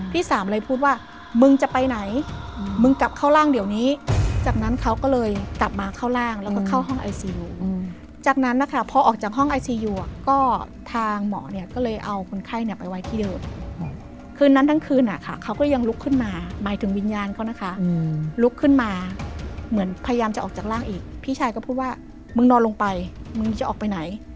พี่สามเลยพูดว่ามึงจะไปไหนมึงกลับเข้าร่างเดี๋ยวนี้จากนั้นเขาก็เลยกลับมาเข้าร่างแล้วก็เข้าห้องไอซียูจากนั้นนะคะพอออกจากห้องไอซียูอ่ะก็ทางหมอเนี่ยก็เลยเอาคนไข้เนี่ยไปไว้ที่เดิมคืนนั้นทั้งคืนอ่ะค่ะเขาก็ยังลุกขึ้นมาหมายถึงวิญญาณเขานะคะลุกขึ้นมาเหมือนพยายามจะออกจากร่างอีกพี่ชายก็พูดว่ามึงนอนลงไปมึงจะออกไปไหน